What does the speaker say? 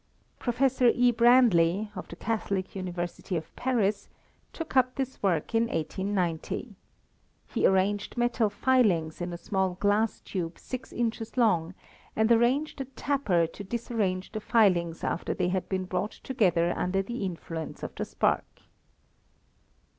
Professor E. Branly, of the Catholic University of Paris, took up this work in 1890. He arranged metal filings in a small glass tube six inches long and arranged a tapper to disarrange the filings after they had been brought together under the influence of the spark.